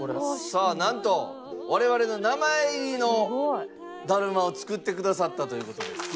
さあなんと我々の名前入りのだるまを作ってくださったという事です。